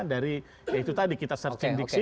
dari ya itu tadi kita searching diksi